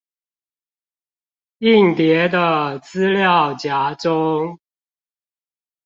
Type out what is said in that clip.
硬碟的資料夾中